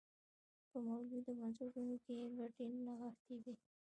په موجوده بنسټونو کې یې ګټې نغښتې وې.